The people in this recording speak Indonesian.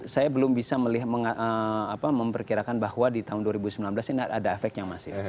saya belum bisa memperkirakan bahwa di tahun dua ribu sembilan belas ini ada efeknya masif